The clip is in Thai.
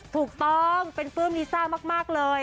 ถูกต้องเป็นปลื้มลิซ่ามากเลย